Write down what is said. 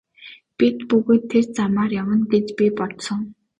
Бид бүгд тэр замаар явна гэж би бодсон.